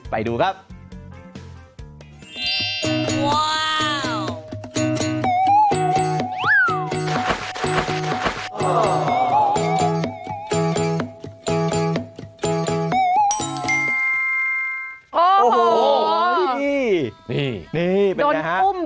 สกิดยิ้ม